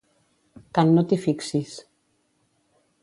Can no t'hi fixis.